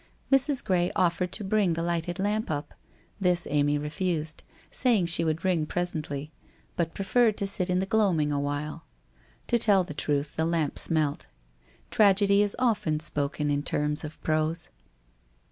Mrs. Gray offered to bring the lighted lamp up : this Amy refused, saying she would ring presently, but preferred to sit in the gloaming awhile. To tell the truth the lamp smelt. Tragedy is often spoken in terms of prose.